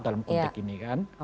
dalam konteks ini kan